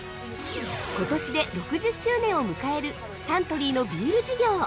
◆ことしで６０周年を迎えるサントリーのビール事業！